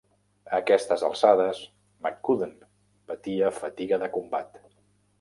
A aquestes alçades, McCudden patia fatiga de combat.